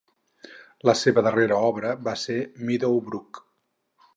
La seva darrera obra va ser "Meadow Brook".